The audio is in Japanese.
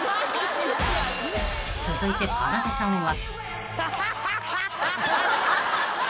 ［続いてかなでさんは］